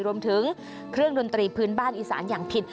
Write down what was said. รวมถึงเครื่องดนตรีพื้นบ้านอีสานอย่างผิด